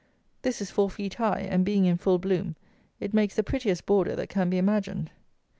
This is four feet high; and, being in full bloom, it makes the prettiest border that can be imagined.